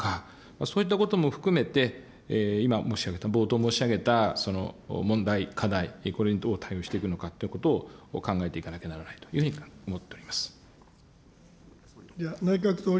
そういったことも含めて、今申し上げた、冒頭申し上げた、その問題、課題、これにどう対応していくのかということを、考えいかなければならないというふうに思っております。